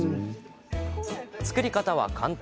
作り方は簡単。